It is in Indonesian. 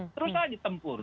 terus saja tempur